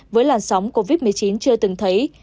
với làn sóng covid một mươi chín chưa từng thấy